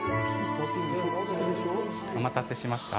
お待たせしました。